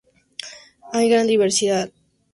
Hay gran diversidad.